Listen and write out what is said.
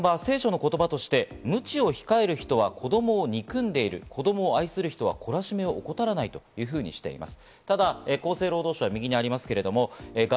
教団は聖書の言葉として、「ムチを控える人は子供を憎んでいる」、「子供を愛する人は懲らしめを怠らない」としています。